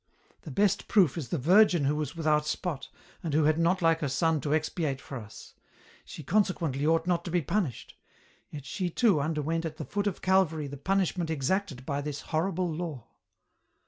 The best proof is the Virgin who was without spot, and who had not like her Son to expiate for us. She conse quently ought not to be punished ; yet she too underwent at the foot of Calvary the punishment exacted by this horrible law.